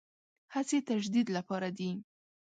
هڅې تجدید لپاره دي.